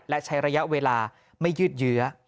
และใช้ระยะเวลาไม่ยืดเยื้อ